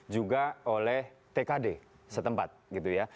juga oleh tkd setempat gitu ya